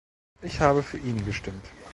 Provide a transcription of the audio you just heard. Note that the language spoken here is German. Ich habe für ihn gestimmt.